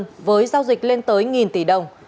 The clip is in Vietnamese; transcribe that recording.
đối với giao dịch lên tới một tỷ đồng